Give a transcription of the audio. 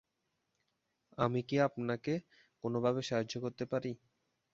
আমি কি আপনাকে কোনোভাবে সাহায্য করতে পারি?